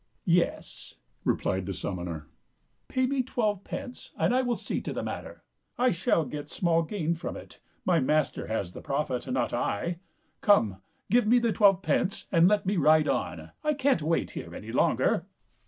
"Yes," replied the summoner; "pay me twelve pence, and I will see to the matter. I shall get small gain from it ; my master has the profit, not I. Come, give me the twelve pence, and let me ride on. I can't wait here any longer."